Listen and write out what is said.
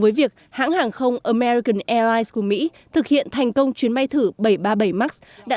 với việc hãng hàng không american airlines của mỹ thực hiện thành công chuyến bay thử bảy trăm ba mươi bảy max đã